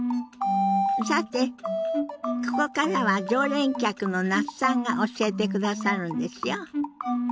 さてここからは常連客の那須さんが教えてくださるんですよ。